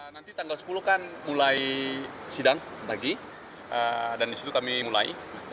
nanti tanggal sepuluh kan mulai sidang lagi dan disitu kami mulai